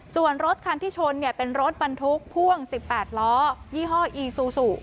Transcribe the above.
ส่วนรถคันที่ชนเป็นรถบรรทุกพ่วง๑๘ล้อยี่ห้ออีซูซู